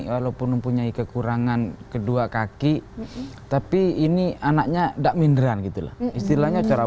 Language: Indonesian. walaupun mempunyai kekurangan kedua kaki tapi ini anaknya dak mindran gitu lah istilahnya cara